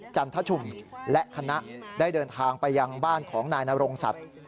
จันทชุมและคณะได้เดินทางไปยังบ้านของนายนรงศักดิ์